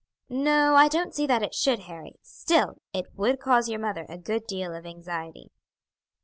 "No, I don't see that it should, Harry. Still, it would cause your mother a good deal of anxiety."